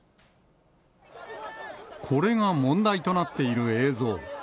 これが問題となっている映像。